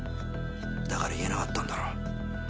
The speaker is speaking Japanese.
だから言えなかったんだろう。